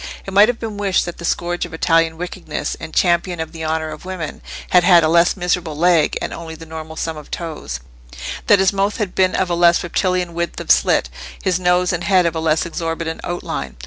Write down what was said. It might have been wished that the scourge of Italian wickedness and "Champion of the honour of women" had had a less miserable leg, and only the normal sum of toes; that his mouth had been of a less reptilian width of slit, his nose and head of a less exorbitant outline.